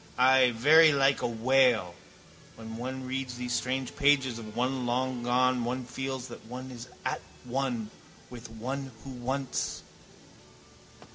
Ay, very like a whale. When one reads these strange pages of one long gone one feels that one is at one with one who once...